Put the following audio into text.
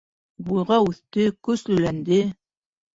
Буйға үҫте, көслөләнде.